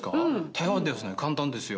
台湾ですね簡単ですよ